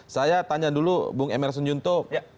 saya tanya dulu bung emerson yunto